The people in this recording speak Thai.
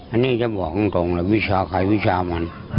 อันนี้จะบอกตรงเลยวิชาใครวิชามัน